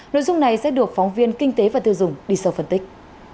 nội dung này sẽ được phóng viên kinh tế và tiêu dùng đi sâu phân tích